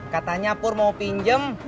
katanya pur mau pinjem